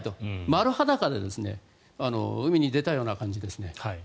丸裸で海に出たような感じですね。